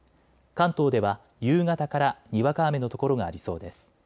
関東では夕方からにわか雨の所がありそうです。